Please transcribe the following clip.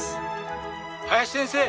林先生！